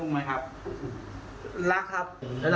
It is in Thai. ไม่ได้เสร็จครับ